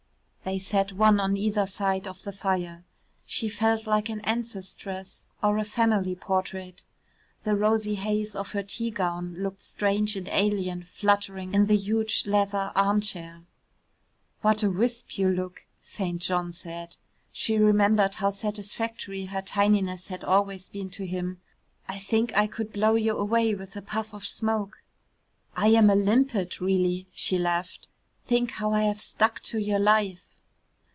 They sat one on either side of the fire. She felt like an ancestress or a family portrait. The rosy haze of her tea gown looked strange and alien fluttering in the huge leather armchair. "What a wisp you look," St. John said. She remembered how satisfactory her tininess had always been to him. "I think I could blow you away with a puff of smoke." "I am a limpet really," she laughed, "think how I have stuck to your life."